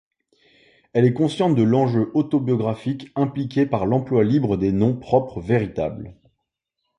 Elle est consciente de l'enjeu autobiographique impliqué par l'emploi libre des noms propres véritables.